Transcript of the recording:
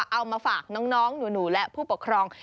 เอามาฝากน้องหนูและผู้ปกครอง